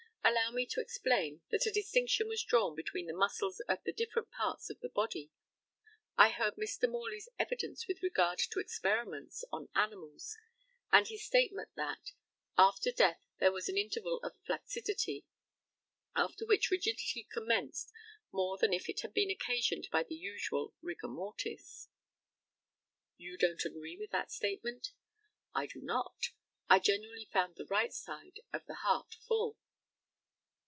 Allow me to explain that a distinction was drawn between the muscles of the different parts of the body. I heard Mr. Morley's evidence with regard to experiments on animals, and his statement that "after death there was an interval of flacidity, after which rigidity commenced more than if it had been occasioned by the usual rigor mortis." You don't agree with that statement? I do not. I generally found the right side of the heart full.